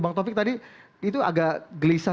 bang taufik tadi itu agak gelisah